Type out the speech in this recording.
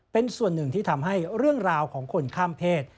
เป็นส่วนหนึ่งที่ทำให้เรื่องราวของคนข้ามเพศ